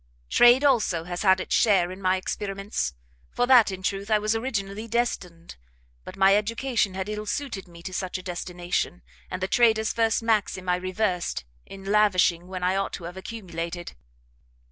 "Trade, also, has had its share in my experiments; for that, in truth, I was originally destined, but my education had ill suited me to such a destination, and the trader's first maxim I reversed, in lavishing when I ought to have accumulated.